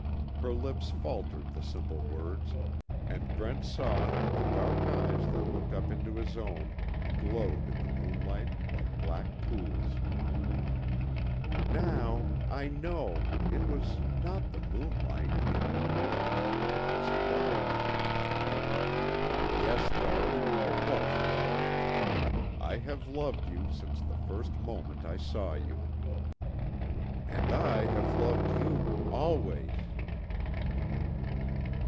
her lips faltered the simple words, and Brent saw that the dark eyes that looked up into his own glowed in the moonlight like black pools. "Now I know it was not the moonlight in here it was love!" "Yes, darling, it was love. I have loved you since the first moment I saw you." "And I have loved you always!"